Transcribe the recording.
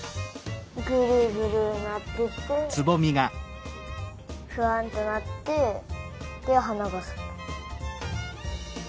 ぐるぐるなっててふわんとなってではながさく。